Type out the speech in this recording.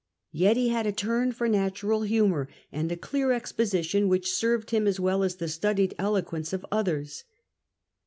Yet he had a turn for natural humour and a clear exposition which served him as well as the studied eloquence of others.